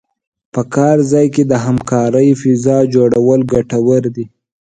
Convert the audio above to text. په کار ځای کې د همکارۍ فضا جوړول ګټور دي.